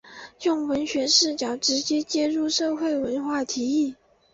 用文学视角直接介入社会文化议题。